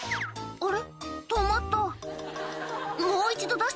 「あれ？